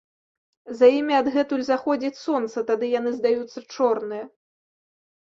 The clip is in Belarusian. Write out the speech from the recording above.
За імі адгэтуль заходзіць сонца, тады яны здаюцца чорныя.